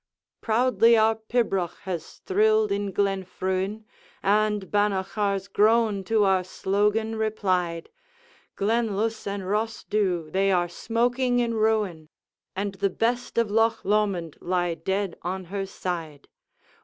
Proudly our pibroch has thrilled in Glen Fruin, And Bannochar's groans to our slogan replied; Glen Luss and Ross dhu, they are smoking in ruin, And the best of Loch Lomond lie dead on her side.